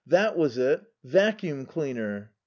That was it. Vacuum cleaner.